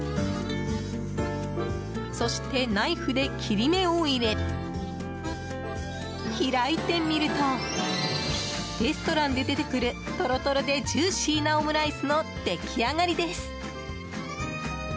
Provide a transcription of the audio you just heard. そしてナイフで切り目を入れ開いてみるとレストランで出てくるとろとろでジューシーなオムライスの出来上がりです。